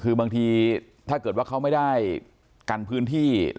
คือบางทีถ้าเกิดว่าเขาไม่ได้กันพื้นที่